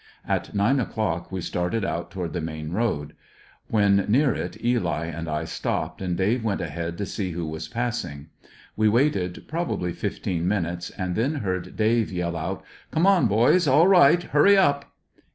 At nine o'clock we started out toward the main road. When near it Eli and I stopped, and Dave went ahead to see who was passing. We waited probably fifteen minutes, and then heard Dave yell out: "Come on boys, all right! Hurry up!"